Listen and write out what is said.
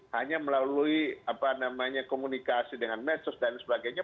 hanya melalui komunikasi dengan medsos dan sebagainya